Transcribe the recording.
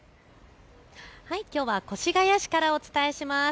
きょうは越谷市からお伝えします。